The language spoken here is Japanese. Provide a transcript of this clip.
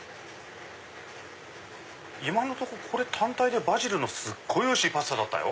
今のとここれ単体でバジルのすごいおいしいパスタだったよ。